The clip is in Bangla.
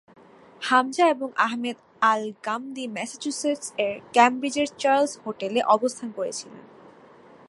হামজা এবং আহমেদ আল-গামদি ম্যাসাচুসেটস এর কেমব্রিজের চার্লস হোটেলে অবস্থান করেছিলেন।